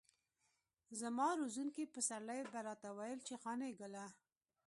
زما روزونکي پسرلي به راته ويل چې قانع ګله.